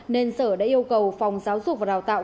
nên sở đã yêu cầu phòng giáo dục và đào tạo